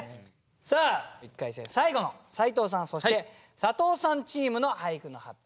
さあ一回戦最後の斎藤さんそして佐藤さんチームの俳句の発表